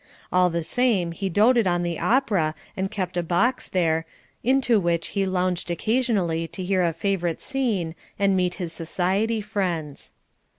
All the same he doted on the opera, and kept a box there, into which he lounged occasionally to hear a favorite scene and meet his society friends.